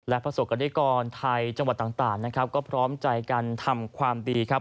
และประสบการณ์ดิกรไทยจังหวัดต่างก็พร้อมใจการทำความดี